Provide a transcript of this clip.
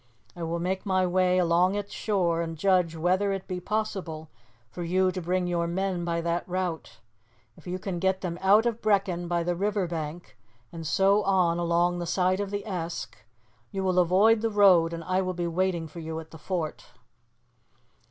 I will make my way along its shore and judge whether it be possible for you to bring your men by that route. If you can get them out of Brechin by the river bank and so on along the side of the Esk, you will avoid the road and I will be waiting for you at the fort."